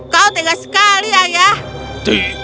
kau tegas sekali ayah